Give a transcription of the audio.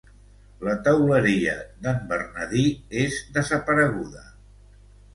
La Teuleria d'en Bernadí és desapareguda.